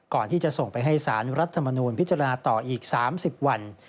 ก่อนที่จะส่งไปให้สารรัฐมนูลพิจารณาต่ออีก๓๐วัน